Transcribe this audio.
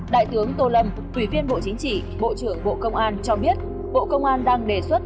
đại tướng tô lâm ủy viên bộ chính trị bộ trưởng bộ công an cho biết bộ công an đang đề xuất